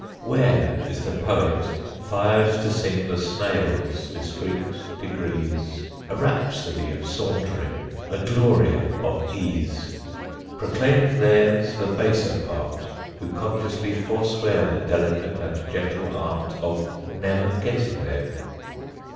Where is the poet fired to sing The snail's discreet degrees, A rhapsody of sauntering, A gloria of ease; Proclaiming their's the baser part Who consciously forswear The delicate and gentle art Of never getting there?